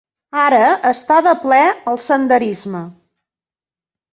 Ara està de ple el senderisme.